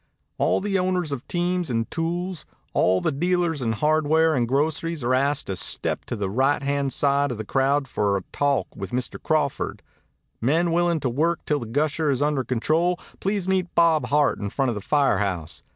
"All owners of teams and tools, all dealers in hardware and groceries, are asked to step to the right hand side of the crowd for a talk with Mr. Crawford. Men willing to work till the gusher is under control, please meet Bob Hart in front of the fire house.